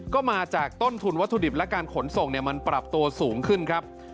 ก็มาจากต้นทุนวัตถุดิบและการขนส่งมันปรับตัวสูงขึ้นครับ